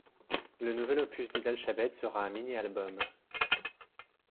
Le nouvel opus des Dal Shabet sera un mini-album.